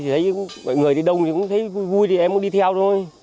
thấy mọi người thì đông thì cũng thấy vui thì em cũng đi theo thôi